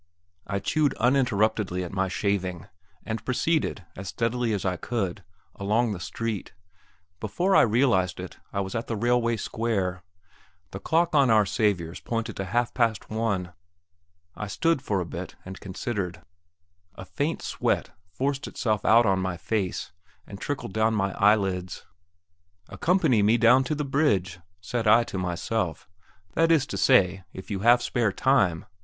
I chewed uninterruptedly at my shaving, and proceeded, as steadily as I could, along the street. Before I realized it, I was at the railway square. The dock on Our Saviour's pointed to half past one. I stood for a bit and considered. A faint sweat forced itself out on my face, and trickled down my eyelids. Accompany me down to the bridge, said I to myself that is to say, if you have spare time!